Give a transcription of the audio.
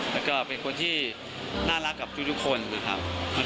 แล้วก็เป็นคนที่น่ารักกับทุกคนนะครับ